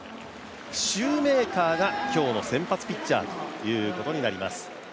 シューメーカーが今日の先発ピッチャーということになります。